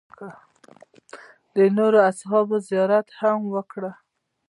د نورو اصحابو زیارت هم وکړ.